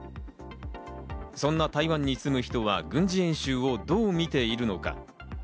そんな台湾に住む人は軍事演習をどう見ているのか？